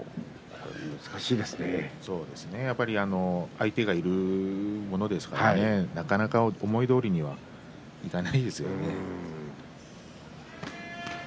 相手がいるものですからねなかなか思いどおりには相撲はいきませんよね。